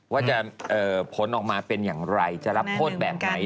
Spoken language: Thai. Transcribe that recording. ว่าจะผลออกมาเป็นอย่างไรจะรับโทษแบบไหน